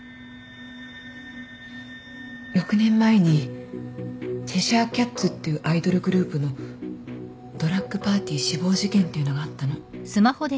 ６年前にチェシャーキャッツっていうアイドルグループのドラッグパーティー死亡事件っていうのがあったの。